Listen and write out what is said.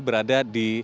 berada di semanitnya